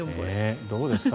どうですか？